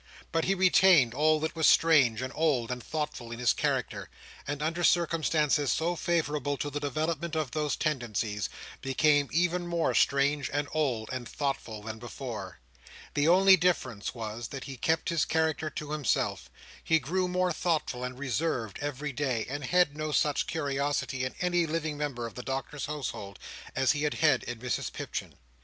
But he retained all that was strange, and old, and thoughtful in his character: and under circumstances so favourable to the development of those tendencies, became even more strange, and old, and thoughtful, than before. The only difference was, that he kept his character to himself. He grew more thoughtful and reserved, every day; and had no such curiosity in any living member of the Doctor's household, as he had had in Mrs Pipchin.